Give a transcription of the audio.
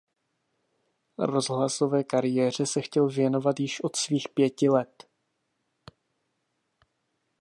Rozhlasové kariéře se chtěl věnovat již od svých pěti let.